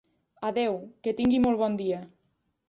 Adéu, que tingui molt bon dia.